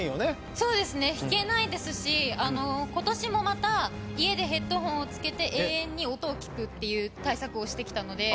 そうですね引けないですし今年もまた家でヘッドホンをつけて永遠に音を聞くっていう対策をしてきたので。